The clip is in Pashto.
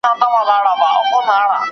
¬ تر پښو لاندي مځکه مه گوره ليري واټ گوره.